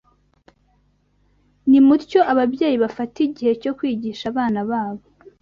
Nimutyo ababyeyi bafate igihe cyo kwigisha abana babo